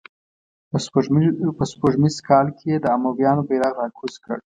په سپوږمیز کال یې د امویانو بیرغ را کوز کړ.